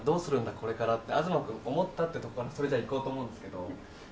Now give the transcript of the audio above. これからってアズマ君思ったって所からそれじゃいこうと思うんですけど」。